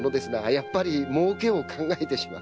やっぱり儲けを考えてしまう。